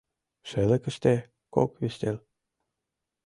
Шелыкыште кок ӱстел.